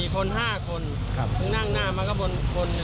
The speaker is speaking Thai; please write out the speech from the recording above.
๔คน๕คนนั่งหน้ามาก็บน๑คน